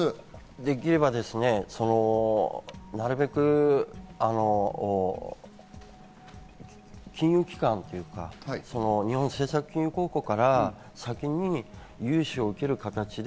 できればなるべく、金融機関というか、日本政策金融公庫から先に融資を受ける形で